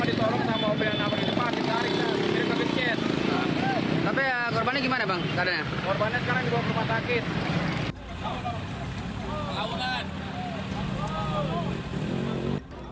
korbannya sekarang di bawah rumah sakit